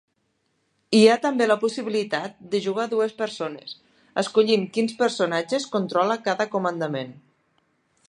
Hi ha també la possibilitat de jugar dues persones, escollint quins personatges controla cada comandament.